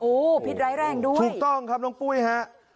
โอ้โหพิษร้ายแรงด้วยถูกต้องครับน้องปุ้ยฮะ